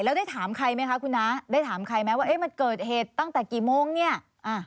แล้วได้ถามใครไหมคะคุณน้าได้ถามใครไหมว่าเอ๊ะมันเกิดเหตุตั้งแต่กี่โมงเนี่ยอ่า